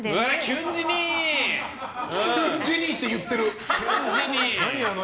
キュン死にって言ってる。